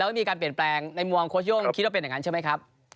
แล้วมีการเปลี่ยนแปลงในมุมโค้ชโย่งคิดว่าเป็นอย่างนั้นใช่ไหมครับ